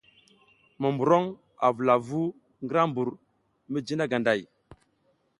Monburoŋ, a vula vu ngra mbur mijina ganday.